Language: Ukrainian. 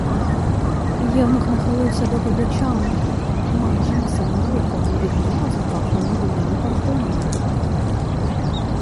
Євнух нахилився до Годечана майже на саме вухо, й від нього запахло нудними парфумами: